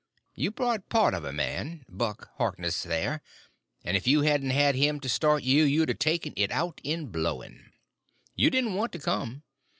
You brought part of a man—Buck Harkness, there—and if you hadn't had him to start you, you'd a taken it out in blowing. "You didn't want to come.